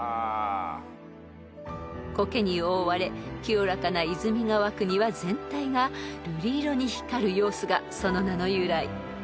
［コケに覆われ清らかな泉が湧く庭全体が瑠璃色に光る様子がその名の由来］